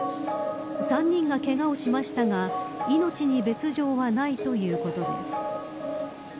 ３人がけがをしましたが命に別条はないということです。